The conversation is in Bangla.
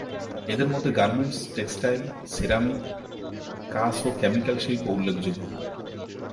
এদের মধ্যে গার্মেন্টস, টেক্সটাইল, সিরামিক, কাচ ও কেমিক্যাল শিল্প উল্লেখযোগ্য।